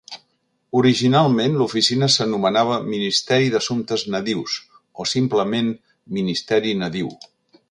Originalment l'oficina s'anomenava Ministeri d'Assumptes Nadius, o simplement Ministeri Nadiu.